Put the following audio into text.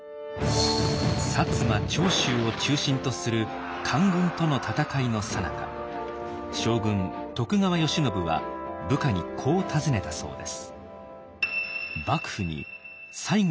摩・長州を中心とする官軍との戦いのさなか将軍徳川慶喜は部下にこう尋ねたそうです。